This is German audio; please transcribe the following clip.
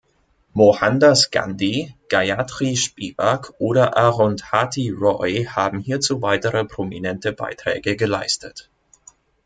Mohandas Gandhi, Gayatri Spivak oder Arundhati Roy haben hierzu weitere prominente Beiträge geleistet.